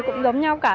cũng giống nhau cả